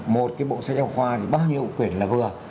một cái bộ sách giáo khoa thì bao nhiêu quyển là vừa